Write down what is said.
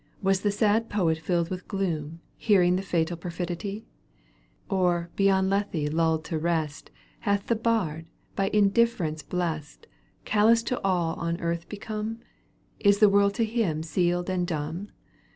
Was the sad poet filled with gloom. Hearing the fatal perfidy? Or, beyond Lethe luUed to rest. Hath the bard, by indifference blest. Callous to aU on earth become — Is the world to him sealed and dumb